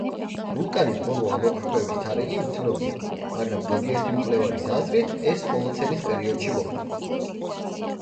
ვულკანის ბოლო ამოფრქვევის თარიღი უცნობია, მაგრამ ზოგიერთი მკვლევარის აზრით, ეს ჰოლოცენის პერიოდში მოხდა.